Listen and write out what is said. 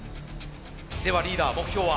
ではリーダー目標は？